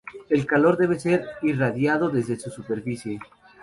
El calor debe ser irradiado desde su superficie.